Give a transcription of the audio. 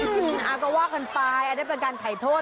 อื้อฮือคนฟ้ายได้เป็นการไถ้โทษ